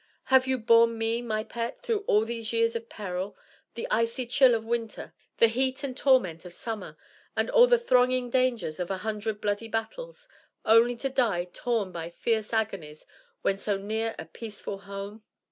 Have you borne me, my pet, through all these years of peril, the icy chill of winter, the heat and torment of summer, and all the thronging dangers of a hundred bloody battles, only to die torn by fierce agonies, when so near a peaceful home?'